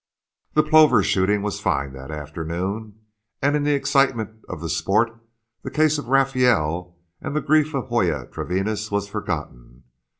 The plover shooting was fine that afternoon, and in the excitement of the sport the case of Rafael and the grief of Joya Treviñas was forgotten.